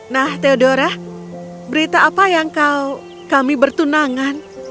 nah theodora berita apa yang kami bertunangan